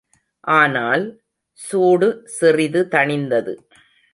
ஆனால், சூடு சிறிது தணிந்தது.